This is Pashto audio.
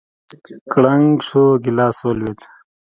کړنگ سو گيلاس ولوېد.